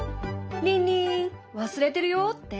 リンリン忘れてるよって？